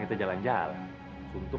selama ini tuh